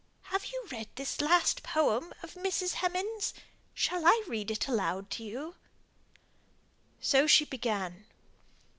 Have you read this last poem of Mrs. Hemans? Shall I read it aloud to you?" So she began.